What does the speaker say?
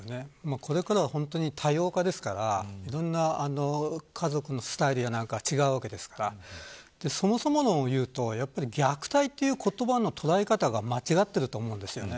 これからは多様化ですからいろいろな家族のスタイルなども違いますからそもそも、虐待という言葉の捉え方が間違ってると思うんです。